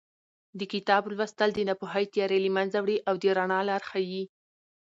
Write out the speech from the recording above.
د کتاب لوستل د ناپوهۍ تیارې له منځه وړي او د رڼا لار ښیي.